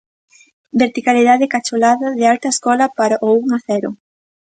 Verticalidade e cacholada de alta escola para o un a cero.